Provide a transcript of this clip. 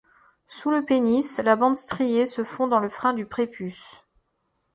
Sous le pénis, la bande striée se fond dans le frein du prépuce.